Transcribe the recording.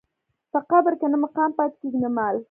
په قبر کې نه مقام پاتې کېږي نه مال.